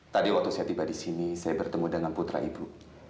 tadi waktu saya tiba di sini saya bertemu dengan putra ibu